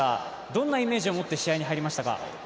どんなイメージを持って試合に入りましたか？